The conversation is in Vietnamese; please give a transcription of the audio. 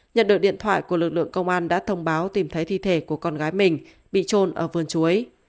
nhận được điện thoại của lực lượng công an đã thông báo tìm thấy thi thể của con gái mình bị trôn ở vườn chuối